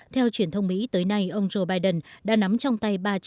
theo truyền thông mỹ tới nay ông joe biden đã nắm trong tay ba trăm linh sáu phiếu đại cử tri